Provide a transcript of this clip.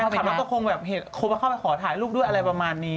ฟันครับแล้วก็คงเข้าไปขอถ่ายลูกด้วยอะไรประมาณนี้